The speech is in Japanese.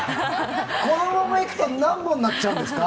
このまま行くと何本になっちゃうんですか？